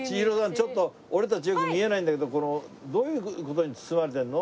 ちょっと俺たちよく見えないんだけどどういう袋に包まれてるの？